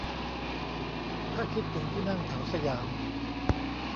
ถ้าคิดถึงที่นั่งแถวสยาม